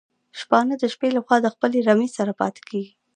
شپانه د شپې لخوا له خپلي رمې سره پاتي کيږي